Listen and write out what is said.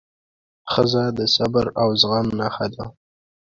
ښځه د صبر او زغم نښه ده.